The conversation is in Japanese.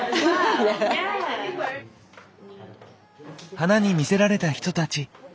花に魅せられた人たち。